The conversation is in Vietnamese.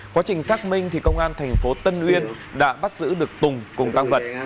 quá trình xác minh thì công an thành phố tân uyên đã bắt giữ được tùng cùng tăng vật